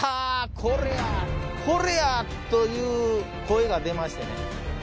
これや！という声が出ましてね